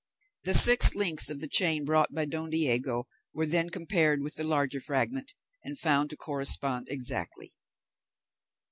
The six links of the chain brought by Don Diego were then compared with the larger fragment, and found to correspond exactly.